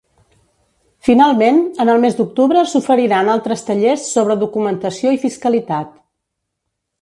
Finalment, en el mes d’octubre s’oferiran altres tallers sobre documentació i fiscalitat.